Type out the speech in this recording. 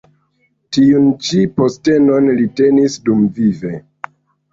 Tiun ĉi postenon li tenis dumvive.